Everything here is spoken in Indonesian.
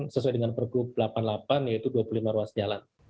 sesuai dengan pergub delapan puluh delapan yaitu dua puluh lima ruas jalan